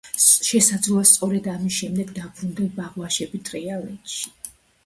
შესაძლოა, სწორედ ამის შემდეგ დაბრუნდნენ ბაღვაშები თრიალეთში.